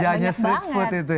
rajanya street food itu ya